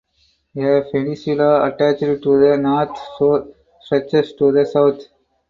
A peninsula attached to the north shore stretches to the south.